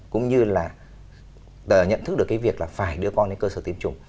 cũng như là nhận thức được cái việc là phải đưa con đến cơ sở tiêm chủng